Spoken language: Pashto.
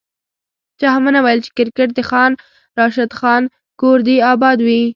چا هم ونه ویل چي کرکیټ د خان راشد خان کور دي اباد وي